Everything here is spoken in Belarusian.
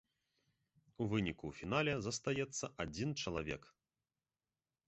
У выніку ў фінале застаецца адзін чалавека.